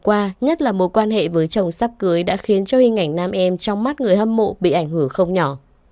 nhưng mạng xã hội vừa qua nhất là mối quan hệ với chồng sắp cưới đã khiến cho hình ảnh nam em trong mắt người hâm mộ bị ảnh hưởng không nhỏ